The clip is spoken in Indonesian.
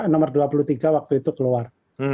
nomor dua puluh tiga waktu itu keluar